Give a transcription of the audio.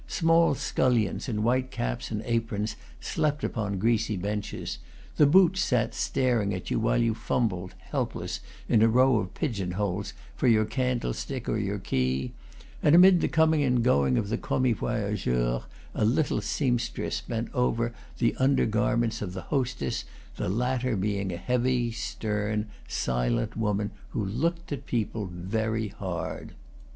Small scullions in white caps and aprons slept upon greasy benches; the Boots sat staring at you while you fumbled, helpless, in a row of pigeon holes, for your candlestick or your key; and, amid the coming and going of the commis voyageurs, a little sempstress bent over the under garments of the hostess, the latter being a heavy, stem, silent woman, who looked at people very hard.